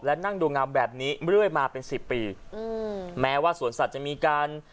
และนั่งดูงามแบบนี้เรื่อยมาเป็นสิบปีอืมแม้ว่าสวนสัตว์จะมีการ